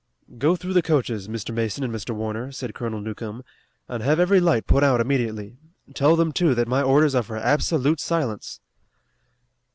"Go through the coaches, Mr. Mason and Mr. Warner," said Colonel Newcomb, "and have every light put out immediately. Tell them, too, that my orders are for absolute silence."